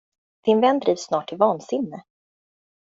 Din vän drivs snart till vansinne.